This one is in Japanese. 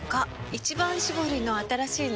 「一番搾り」の新しいの？